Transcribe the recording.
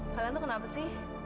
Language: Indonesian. kalian tuh kenapa sih